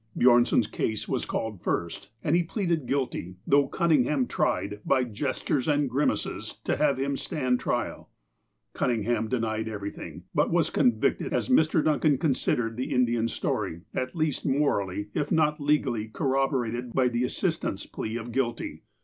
Bjornson' s case was called first, and he pleaded guilty, though Cunningham tried, by gestures and grimaces, to have him stand trial. Cunningham denied everything, but was convicted, as Mr. Duncan considered the Indians' story at least mor ally, if not legally, corroborated by the assistant's plea of guilty.